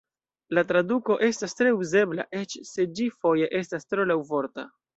La traduko estas tre uzebla, eĉ se ĝi foje estas tro laŭvorta.